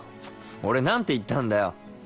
俺何て言ったんだよ？